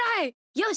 よし！